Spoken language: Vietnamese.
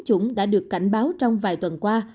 bộ trưởng bộ y tế đã được cảnh báo trong vài tuần qua